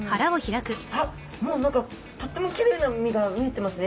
あっもう何かとってもきれいな身が見えてますね。